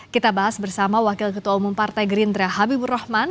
kita bahas bersama wakil ketua umum partai gerindra habibur rahman